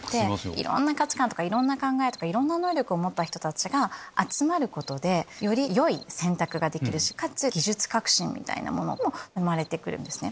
いろんな価値観とか考えとか能力を持った人たちが集まることでよりよい選択ができるしかつ技術革新みたいなものも生まれて来るんですね。